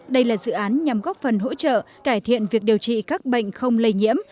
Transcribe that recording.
đây là dự án nhằm góp phần hỗ trợ cải thiện việc điều trị các bệnh không lây nhiễm